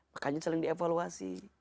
makanya saling dievaluasi